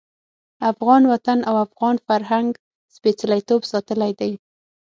افغان وطن او افغان فرهنګ سپېڅلتوب ساتلی دی.